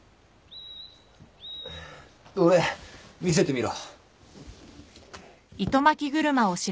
どれ見せてみろ。